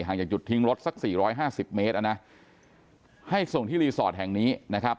จากจุดทิ้งรถสักสี่ร้อยห้าสิบเมตรนะให้ส่งที่รีสอร์ทแห่งนี้นะครับ